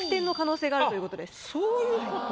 あっそういうこと？